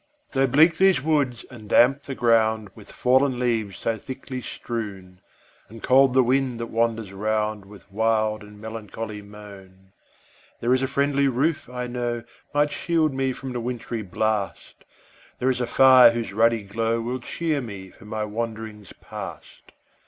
Though bleak these woods, and damp the ground With fallen leaves so thickly strown, And cold the wind that wanders round With wild and melancholy moan; There IS a friendly roof, I know, Might shield me from the wintry blast; There is a fire, whose ruddy glow Will cheer me for my wanderings past.